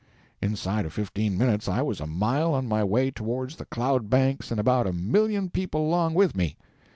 Inside of fifteen minutes I was a mile on my way towards the cloud banks and about a million people along with me.